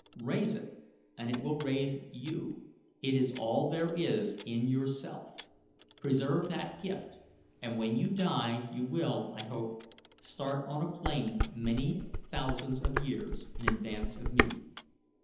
Raise it, and it will raise you. It is all there is in yourself. Preserve that gift, and when you die you will, I hope, start on a plane many thousands of years in advance of me.